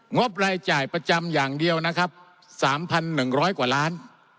บรายจ่ายประจำอย่างเดียวนะครับ๓๑๐๐กว่าล้าน